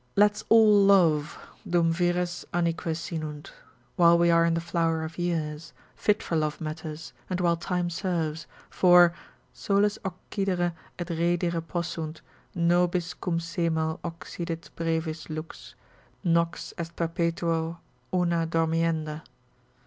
Let's all love, dum vires annique sinunt, while we are in the flower of years, fit for love matters, and while time serves: for Soles occidere et redire possunt, Nobis cum semel occidit brevis lux, Nox est perpetuo una dormienda.